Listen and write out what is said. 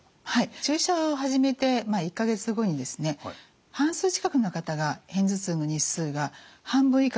注射を始めて１か月後にですね半数近くの方が片頭痛の日数が半分以下になるんですね。